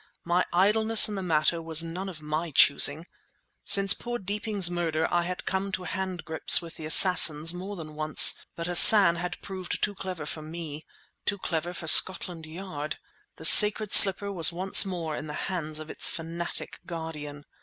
My idleness in the matter was none of my choosing. Since poor Deeping's murder I had come to handgrips with the assassins more than once, but Hassan had proved too clever for me, too clever for Scotland Yard. The sacred slipper was once more in the hands of its fanatic guardian.